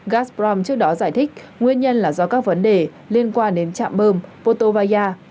gazprom trước đó giải thích nguyên nhân là do các vấn đề liên quan đến chạm bơm potovaya